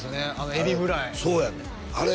エビフライそうやねんあれ